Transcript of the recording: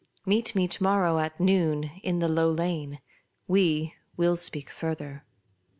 Meet me to morrow at noon in the Low Lane ; we will speak further."